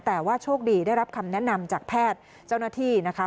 แต่ว่าโชคดีได้รับคำแนะนำจากแพทย์เจ้าหน้าที่นะคะ